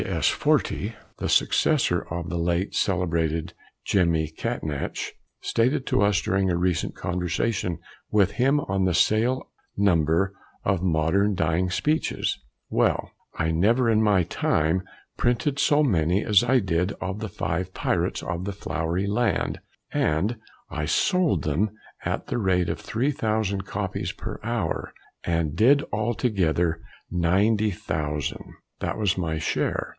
W. S. Fortey, the successor of the late celebrated Jemmy Catnach, stated to us during a recent conversation with him on the sale number of modern dying speeches. "Well, I never in my time printed so many as I did of the Five Pirates of the Flowery Land, and I sold them at the rate of 3,000 copies per hour, and did altogether 90,000, that was my share.